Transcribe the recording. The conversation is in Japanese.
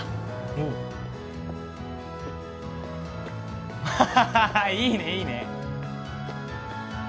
おっアハハハいいねいいね